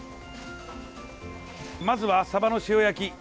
まずはサバの塩焼き。